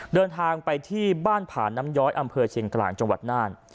เดินทางไปที่บ้านผาน้ำย้อยอำเภอเชียงกลางจังหวัดน่าน